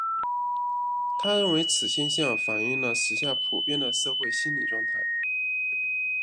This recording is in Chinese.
他认为此现象反映了时下普遍的社会心理状态。